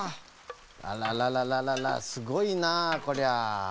あららららららすごいなあこりゃあ。